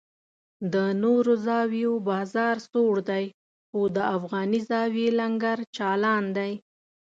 د نورو زاویو بازار سوړ دی خو د افغاني زاویې لنګر چالان دی.